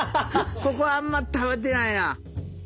ここあんま食べてないな。